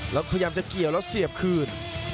แล้วพยายามจะเกี่ยวแล้วเสียบคืน